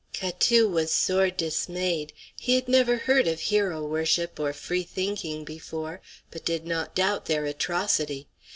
Catou was sore dismayed. He had never heard of hero worship or free thinking before, but did not doubt their atrocity.